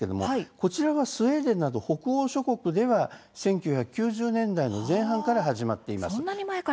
こちらはスウェーデンなど北欧諸国では１９９０年代の前半から始まっています。